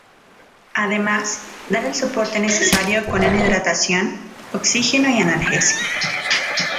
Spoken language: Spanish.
Además dar el soporte necesario con una hidratación, oxígeno y analgesia.